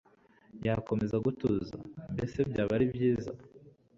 yakomeza gutuza? Mbese byaba ari byiza